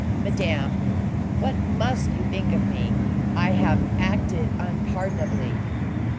"Madame, what must you think of me? I have acted unpardonably."